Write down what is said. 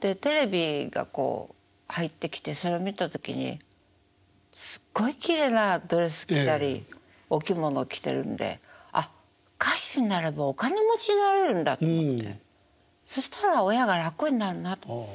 でテレビがこう入ってきてそれを見た時にすっごいきれいなドレス着たりお着物着てるんであっ歌手になればお金持ちになれるんだと思ってそしたら親が楽になるなと思って。